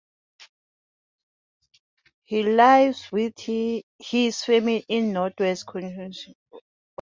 He lives with his family in northwest Connecticut.